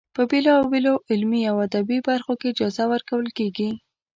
په بېلا بېلو علمي او ادبي برخو کې جایزه ورکول کیږي.